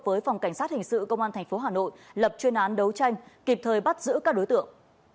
họ phối phòng cảnh sát hình sự công an thành phố hà nội lập chuyên án đấu tranh kịp thời bắt giữ các đối tượng